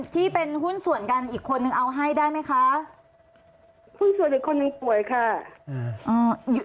ที่เป็นหุ้นส่วนกันอีกคนนึงเอาให้ได้ไหมคะหุ้นส่วนอีกคนนึงป่วยค่ะอืมอ่า